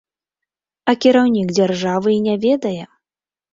А кіраўнік дзяржавы і не ведае!